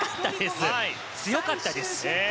強かったです。